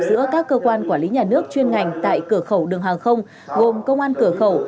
giữa các cơ quan quản lý nhà nước chuyên ngành tại cửa khẩu đường hàng không gồm công an cửa khẩu